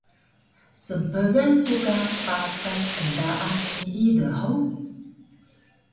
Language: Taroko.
Snpgan su ka patas endaan nii dhug?